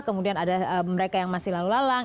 kemudian ada mereka yang masih lalu lalang